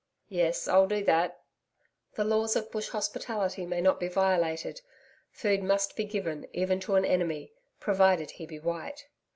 'Yes, I'll do that.' The laws of bush hospitality may not be violated. Food must be given even to an enemy provided he be white.